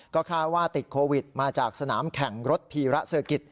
ก็คาดว่าติดโควิดมาจากสนามแข่งรถพีระเซอร์กิจ